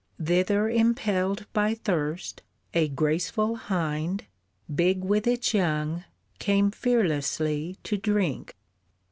Thither impelled by thirst a graceful hind, Big with its young, came fearlessly to drink.